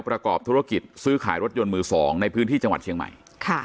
ประกอบธุรกิจซื้อขายรถยนต์มือ๒ในพื้นที่จังหวัดเชียงใหม่